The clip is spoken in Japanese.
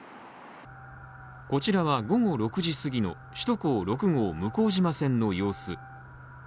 こちらは午後６時過ぎの首都高６号向島線の様子。